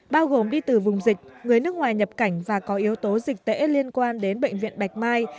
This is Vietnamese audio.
bao gồm đi từ vùng dịch người nước ngoài nhập cảnh và có yếu tố dịch tễ liên quan đến bệnh viện bạch mai